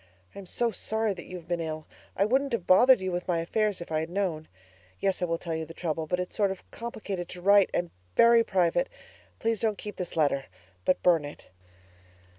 I am so sorry that you have been ill; I wouldn't have bothered you with my affairs if I had known. Yes, I will tell you the trouble, but it's sort of complicated to write, and VERY PRIVATE. Please don't keep this letter, but burn it.